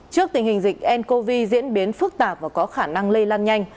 trước tình hình dịch ncov diễn biến phức tạp và có khả năng lây lan nhanh